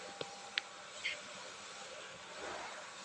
网路上该则新闻的视频片段与恶搞视频纷纷遭删除。